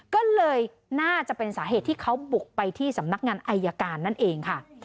ก็เลยน่าจะเป็นสาเหตุที่เขาบุกไปที่สำนักงานอายการนั่นเองค่ะ